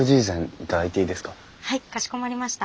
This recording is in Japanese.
はいかしこまりました。